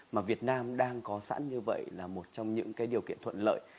mà việt nam đang có sẵn như vậy là một trong những điều kiện thuận lợi